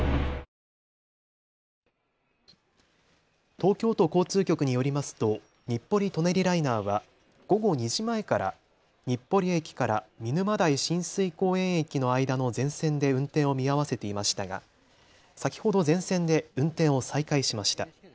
東京都交通局によりますと日暮里・舎人ライナーは午後２時前から日暮里駅から見沼代親水公園駅の間の全線で運転を見合わせていましたが先ほど全線で運転を再開しました。